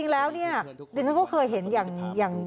แล้วทิ้ง